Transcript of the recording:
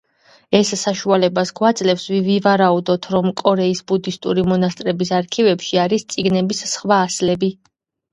ეს საშუალებას გვაძლევს ვივარაუდოთ, რომ კორეის ბუდისტური მონასტრების არქივებში არის წიგნების სხვა ასლები.